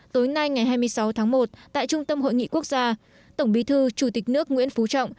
tối nay ngày hai mươi sáu tháng một tại trung tâm hội nghị quốc gia tổng bí thư chủ tịch nước nguyễn phú trọng